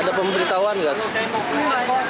ada pemberitahuan nggak sih